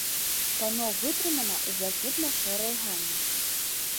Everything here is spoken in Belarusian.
Пано вытрымана ў блакітна-шэрай гаме.